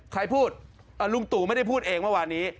ใครพูดลุงตู่ไม่ได้พูดเองเมื่อวานนี้